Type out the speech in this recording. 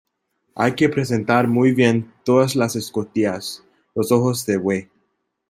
hay que presentar muy bien todas las escotillas, los ojos de buey